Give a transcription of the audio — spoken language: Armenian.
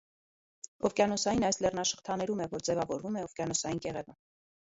Օվկիանոսային այս լեռնաշղթաներում է, որ ձևավորվում է օվկիանոսային կեղևը։